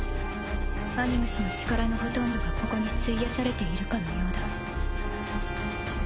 アニムスの力のほとんどがここに費やされているかのようだ。